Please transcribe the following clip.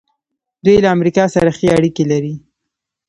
دوی له امریکا سره ښې اړیکې لري.